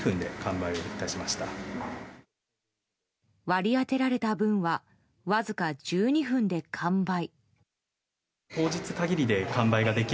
割り当てられた分はわずか１２分で完売。